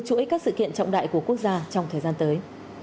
chuỗi các sự kiện trọng đại của quốc gia trong thời gian tới